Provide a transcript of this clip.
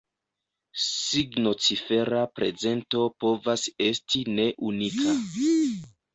Signo-cifera prezento povas esti ne unika.